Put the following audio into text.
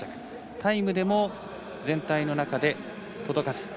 タイムでも、全体の中で届かず。